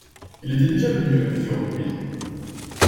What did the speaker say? Il était déjà venu à plusieurs reprises.